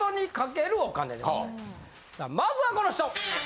まずはこの人！